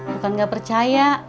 bukan enggak percaya